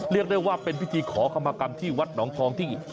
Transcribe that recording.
เรียกได้ว่าเป็นพิธีขอคำมากรรมที่วัดหนองทองที่